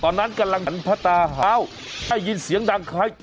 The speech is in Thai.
ตอนนั้นกำลังตันภาตาหาวได้ยินเสียงดังขาด